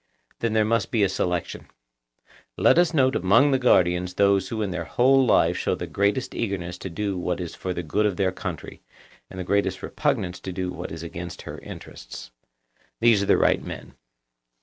Then there must be a selection. Let us note among the guardians those who in their whole life show the greatest eagerness to do what is for the good of their country, and the greatest repugnance to do what is against her interests. Those are the right men.